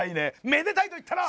めでたいと言ったら。